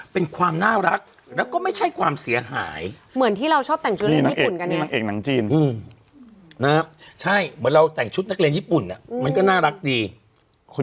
เป็นความน่ารักแล้วก็ไม่ใช่ความเสียหายเหมือนที่เราชอบแต่งชุดนักเรียนญี่ปุ่น